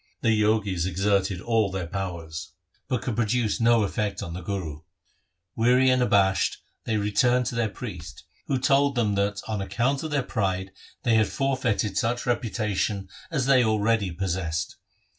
The Jogis exerted all their powers, but could produce no effect on the Guru. Weary and abashed, they returned to their priest, who told them that, on account of their pride, they had forfeited such reputation as they already possessed.